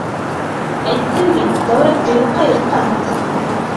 — Әйттем бит, Тәүратты юҡҡа йыртҡанһың тип.